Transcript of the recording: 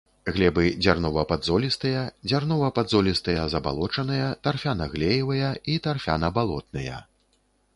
Глебы дзярнова-падзолістыя, дзярнова-падзолістыя забалочаныя, тарфяна-глеевыя і тарфяна-балотныя.